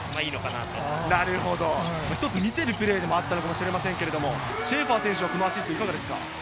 なるほど、魅せるプレーだったのかもしれませんけれども、シェーファー選手はこのプレー、いかがですか？